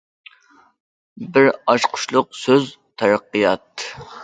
بىر ئاچقۇچلۇق سۆز: تەرەققىيات.